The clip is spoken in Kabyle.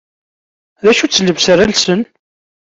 D acu-tt llebsa ara lsen.